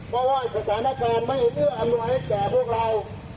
เพราะว่าสถานการณ์ไม่เอื้ออำนวยให้แก่พวกเรา